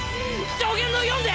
上弦の肆で。